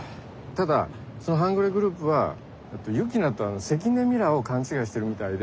ただその半グレグループはユキナと関根ミラを勘違いしてるみたいで。